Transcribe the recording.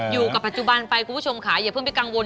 อยู่กับปัจจุบันไปคุณผู้ชมค่ะอย่าเพิ่งไปกังวล